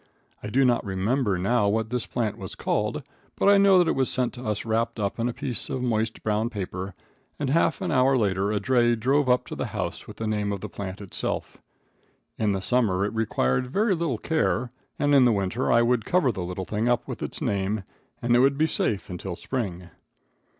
I do not remember now what this plant was called, but I know it was sent to us wrapped up in a piece of moist brown paper, and half an hour later a dray drove up to the house with the name of the plant itself. In the summer it required very little care, and in the winter I would cover the little thing up with its name, and it would be safe till spring.